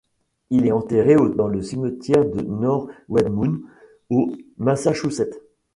Il est enterré dans le cimetière de North Weymouth au Massachusetts.